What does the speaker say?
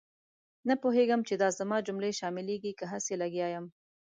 نه پوهېږم چې دا زما جملې شاملېږي که هسې لګیا یم.